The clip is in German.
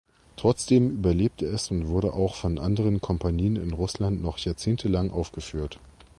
Trotzdem überlebte es und wurde auch von anderen Kompanien in Russland noch jahrzehntelang aufgeführt.